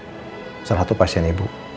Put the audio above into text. saya ke sini untuk bicara tentang kucing